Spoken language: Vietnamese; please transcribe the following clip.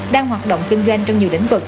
đang hoạt động kinh doanh trong nhiều lĩnh vực